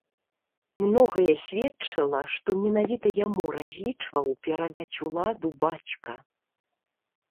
Многае сведчыла, што менавіта яму разлічваў перадаць уладу бацька.